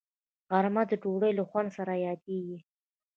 غرمه د ډوډۍ له خوند سره یادیږي